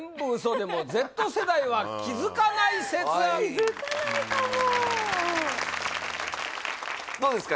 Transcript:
気付かないかもどうですか？